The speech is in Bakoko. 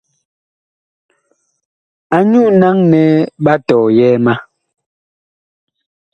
Anyuu naŋ nɛ ɓa tɔyɛɛ ma.